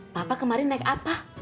papa kemarin naik apa